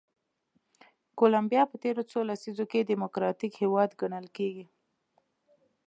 کولمبیا په تېرو څو لسیزو کې ډیموکراتیک هېواد ګڼل کېږي.